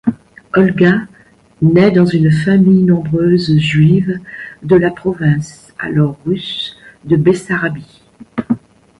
Olga naît dans une famille nombreuse juive de la province alors russe de Bessarabie.